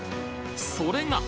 それが！